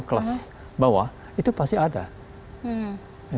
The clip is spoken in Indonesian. kelas bawah itu bisa diperbolehkan